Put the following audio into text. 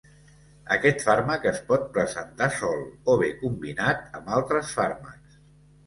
Aquest fàrmac es pot presentar sol o bé combinat amb altres fàrmacs.